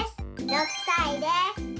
６さいです。